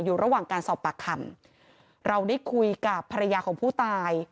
อยู่ระหว่างการสอบปากคำเราได้คุยกับภรรยาของผู้ตาย